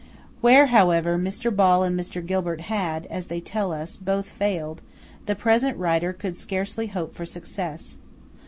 Where, however, Mr. Ball and Mr. Gilbert had, as they tell us, both failed, the present writer could scarcely hope for success.